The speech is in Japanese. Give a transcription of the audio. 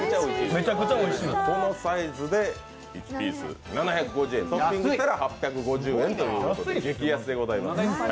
このサイズで７５０円、トッピングしたら８５０円ということで激安でございます。